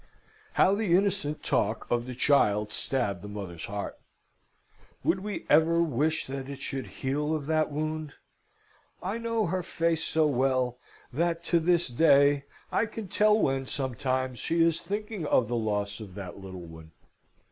How the innocent talk of the child stabbed the mother's heart! Would we ever wish that it should heal of that wound? I know her face so well that, to this day, I can tell when, sometimes, she is thinking of the loss of that little one.